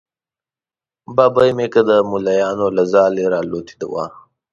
ببۍ مې که د مولیانو له ځالې را الوتې وه.